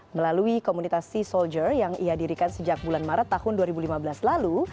melalui komunitas sea soldier yang ia dirikan sejak bulan maret tahun dua ribu lima belas lalu